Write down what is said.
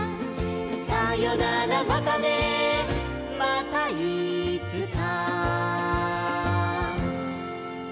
「さよならまたねまたいつか」